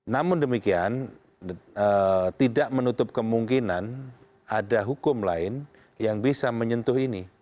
namun demikian tidak menutup kemungkinan ada hukum lain yang bisa menyentuh ini